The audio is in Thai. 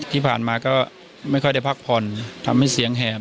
ที่ผ่านมาก็ไม่ค่อยได้พักผ่อนทำให้เสียงแหบ